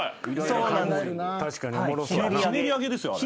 ひねり揚げですよあれ。